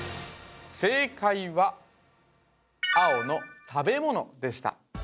正解は青の食べ物でした